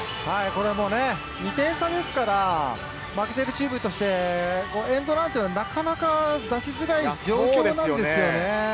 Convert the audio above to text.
これも２点差ですから、負けてるチームとして、エンドランっていうのはなかなか出しづらいですよね。